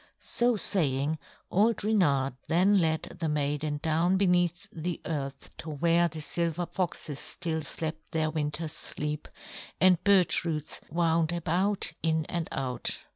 So saying, old Reynard then led the maiden down beneath the earth to where the silver foxes still slept their winter's sleep, and birch roots wound about in and out.